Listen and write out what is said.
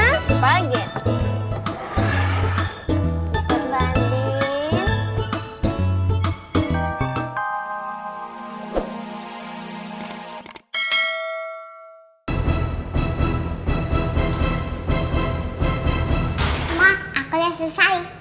mama aku udah selesai